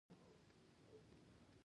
افغانستان د رسوب لپاره مشهور دی.